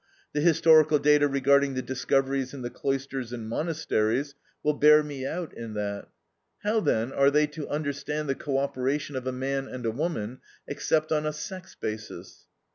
The historical data regarding the discoveries in the cloisters and monasteries will bear me out in that. How, then, are they to understand the co operation of a man and a woman, except on a sex basis?